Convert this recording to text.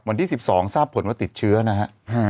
วันที่๑๒ทราบผลว่าติดเชื้อนะฮะ